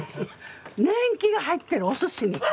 年季が入ってるおすしに。